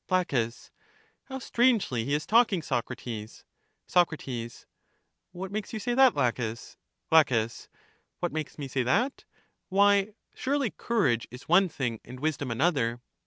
La, How strangely he is talking, Socrates. Soc, What makes you say that. Laches ? La, What makes me say that? Why, surely cour age is one thing, and wisdom another.